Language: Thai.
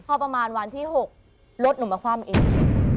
พอประมาณวันที่๖รถหนูมาคว่ำอีก